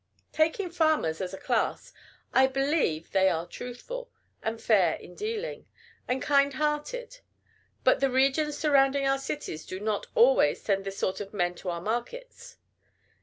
Taking farmers as a class, I believe they are truthful, and fair in dealing, and kind hearted. But the regions surrounding our cities do not always send this sort of men to our markets.